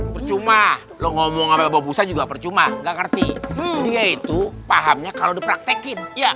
percuma lo ngomong apa apa juga percuma nggak ngerti yaitu pahamnya kalau dipraktekin